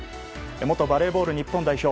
元バレーボール日本代表